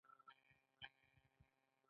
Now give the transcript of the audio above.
هغې د خوښ رڼا په اړه خوږه موسکا هم وکړه.